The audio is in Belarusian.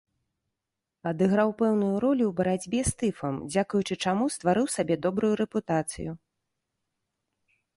Адыграў пэўную ролю ў барацьбе з тыфам, дзякуючы чаму стварыў сабе добрую рэпутацыю.